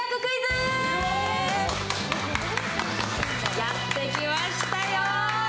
やってきましたよ。